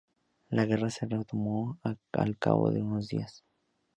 La Guerra se retomó al cabo de unos días.